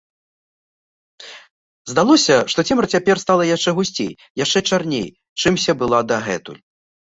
Здалося, што цемра цяпер стала яшчэ гусцей, яшчэ чарней, чымся была дагэтуль.